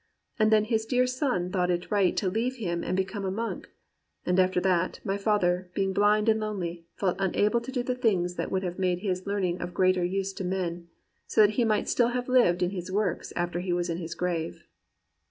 And then his dear son thought it right to leave him and become a monk; and after that, my father, being blind and lonely, felt unable to do the things that would have made his learning of greater use to men, so that he might still have lived in his works after he was in his grave.'